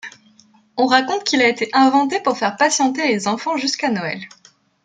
On raconte qu'il a été inventé pour faire patienter les enfants jusqu’à Noël.